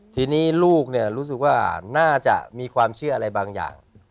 ทีนี้ลูกรู้สึกว่าน่าจะมีความเชื่ออะไรบางอย่าง